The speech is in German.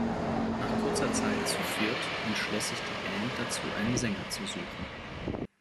Nach kurzer Zeit zu viert entschloss sich die Band dazu, einen Sänger zu suchen.